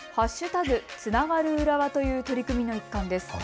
つながる浦和という取り組みの一環です。